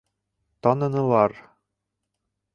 Танынылар!